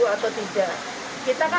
kita kan cari solusinya ya kan